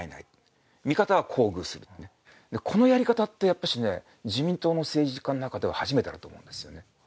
このやり方って自民党の政治家の中では初めてだと思うんです。